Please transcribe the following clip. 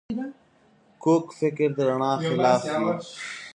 کوږ فکر د رڼا خلاف وي